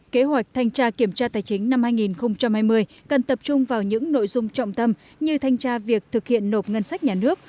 kế hoạch thanh tra kiểm tra tài chính năm hai nghìn hai mươi cần tập trung vào những nội dung trọng tâm như thanh tra việc thực hiện nộp ngân sách nhà nước